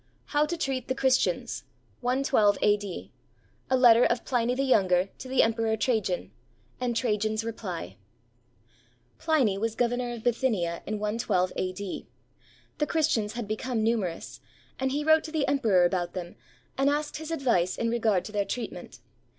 HOW TO TREAT THE CHRISTIANS [lI2 A.D.> A LETTER OF PLINY THE YOUNGER TO THE EMPEROR TRAJAN, AND TRAJAN'S REPLY [Pliny was governor of Bithynia in 112 a.d. The Christians had become numerous, and he wrote to the emperor about them and asked his advice in regard to their treatment.